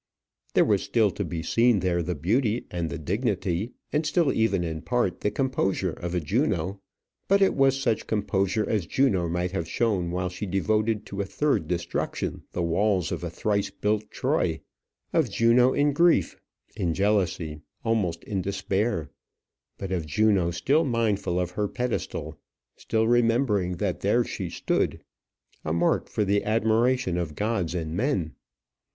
There was still to be seen there the beauty, and the dignity, and still even in part the composure of a Juno; but it was such composure as Juno might have shown while she devoted to a third destruction the walls of a thrice built Troy; of Juno in grief, in jealousy, almost in despair; but of Juno still mindful of her pedestal, still remembering that there she stood a mark for the admiration of gods and men.